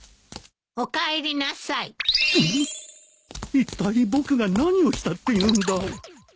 いったい僕が何をしたっていうんだ